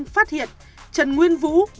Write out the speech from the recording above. phát hiện trần nguyên vũ